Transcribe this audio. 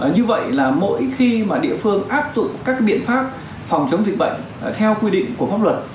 như vậy là mỗi khi địa phương áp dụng các biện pháp phòng chống dịch bệnh theo quy định của pháp luật